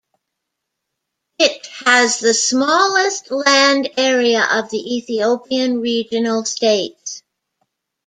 It has the smallest land area of the Ethiopian regional states.